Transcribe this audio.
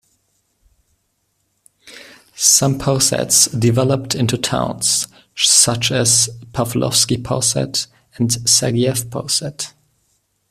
Some posads developed into towns, such as Pavlovsky Posad and Sergiev Posad.